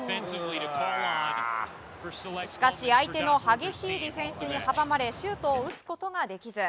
しかし、相手の激しいディフェンスに阻まれシュートを打つことができず。